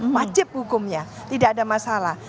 wajib hukumnya tidak ada masalah